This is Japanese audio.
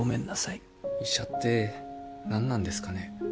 医者って何なんですかね。